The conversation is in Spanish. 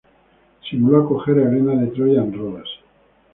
Simuló acoger a Helena de Troya en Rodas.